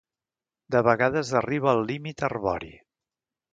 De vegades arriba al límit arbori.